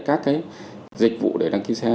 các cái dịch vụ để đăng ký xe